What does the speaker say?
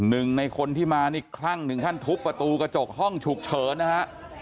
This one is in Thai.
หนึ่งในคนที่มานี่คลั่งถึงขั้นทุบประตูกระจกห้องฉุกเฉินนะฮะ